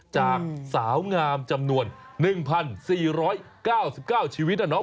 จากสาวงามจำนวน๑๔๙๙ชีวิตนะน้อง